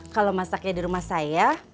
kalau masaknya di rumah saya